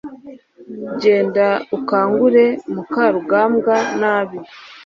genda ukangure mukarugambwa nabi